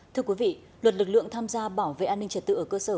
thưa quý vị luật lực lượng tham gia bảo vệ an ninh trật tự ở cơ sở